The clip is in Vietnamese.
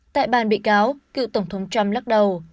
tại bàn bị cáo cựu tổng thống trump lắc đầu